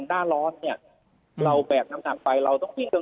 วันนี้ขอบคุณมากครับคุณสมชัยครับ